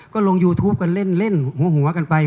ก็ลงยูทูปกันเล่นเล่นหัวหัวกันไป